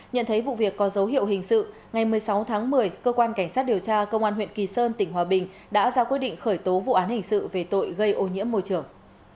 nhận thấy vụ việc có dấu hiệu hình sự ngày một mươi sáu tháng một mươi cơ quan cảnh sát điều tra công an huyện kỳ sơn tỉnh hòa bình đã ra quyết định khởi tố vụ án hình sự về tội gây ô nhiễm môi trường